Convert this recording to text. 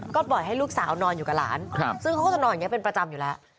ก็ปล่อยให้ลูกสาวนอนอยู่กับหลานซึ่งเขาก็จะนอนอย่างนี้เป็นประจำอยู่แล้ว